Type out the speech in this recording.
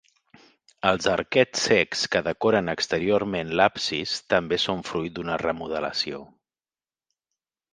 Els arquets cecs que decoren exteriorment l'absis també són fruit d'una remodelació.